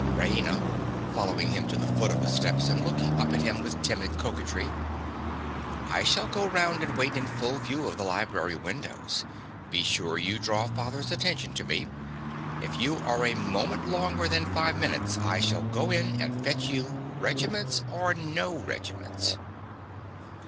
_) RAINA. (following him to the foot of the steps and looking up at him with timid coquetry). I shall go round and wait in full view of the library windows. Be sure you draw father's attention to me. If you are a moment longer than five minutes, I shall go in and fetch you, regiments or no regiments.